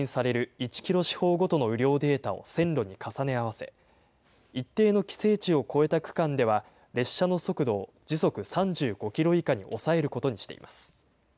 １キロ四方ごとの雨量データを線路に重ね合わせ、一定の規制値を超えた区間では、列車の速度を時速３５キロ以下に抑えることにしています。